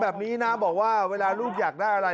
แบบนี้นะบอกว่าเวลาลูกอยากได้อะไร